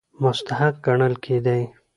مستحق ګڼل کېدی.